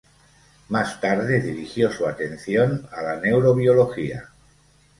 Más tarde dirigió su atención a la neurobiología.